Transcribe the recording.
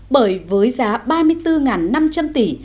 bởi với giá ba mươi bốn năm trăm linh tỷ